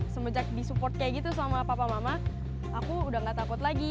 semejak disupport kayak gitu sama papa mama aku udah gak takut lagi